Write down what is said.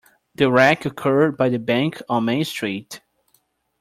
The wreck occurred by the bank on Main Street.